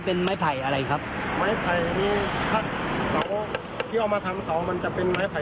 โอ้โฮ